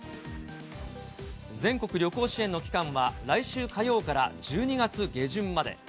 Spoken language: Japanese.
全国旅行支援の期間は、来週火曜から１２月下旬まで。